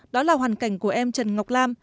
đó là hoàn cảnh của em trần ngọc lam